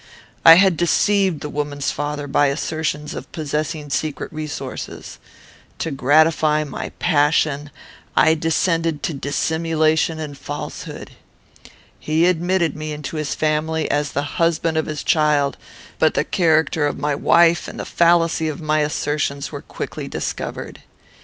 I had deceived the woman's father by assertions of possessing secret resources. To gratify my passion, I descended to dissimulation and falsehood. He admitted me into his family, as the husband of his child; but the character of my wife and the fallacy of my assertions were quickly discovered.